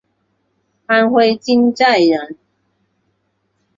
安徽金寨人。